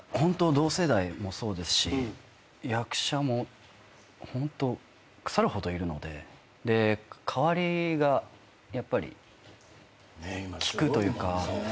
同世代もそうですし役者もホント腐るほどいるので代わりがやっぱり利くというか。